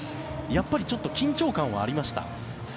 やっぱりちょっと緊張感はありました？